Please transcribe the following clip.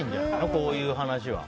こういう話は。